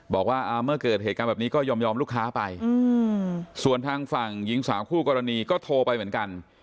บอกว่าเมื่อเกิดเหตุการณ์แบบนี้ก็ยอมลูกค้าไปส่วนทางฝั่งหญิงสาวคู่กรณีก็โทรไปเหมือนกัน